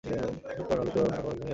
চুপ কর, নাহলে তোর মুখ ভেঙে দেবো।